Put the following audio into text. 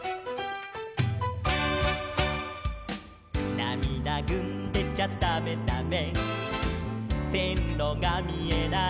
「なみだぐんでちゃだめだめ」「せんろがみえない」